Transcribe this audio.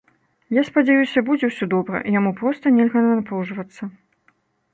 Я спадзяюся, будзе ўсё добра, яму проста нельга напружвацца.